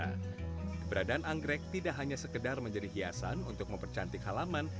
keberadaan anggrek tidak hanya sekedar menjadi hiasan untuk mempercantik halaman